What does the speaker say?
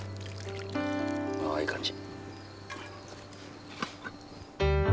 ああいい感じ。